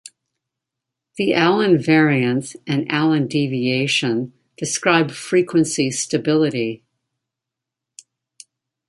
The Allan variance and Allan deviation describe frequency stability.